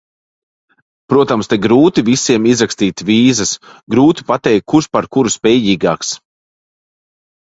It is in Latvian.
Protams, te grūti visiem izrakstīt vīzas, grūti pateikt, kurš par kuru spējīgāks.